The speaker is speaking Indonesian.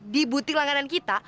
di butik langganan kita